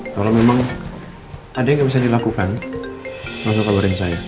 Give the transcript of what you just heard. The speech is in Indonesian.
kalau memang ada yang gak bisa dilakukan langsung keluarin saya